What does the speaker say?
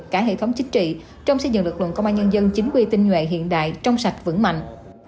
cả hệ thống chính trị trong xây dựng lực lượng công an nhân dân chính quy tinh nhuệ hiện đại trong sạch vững mạnh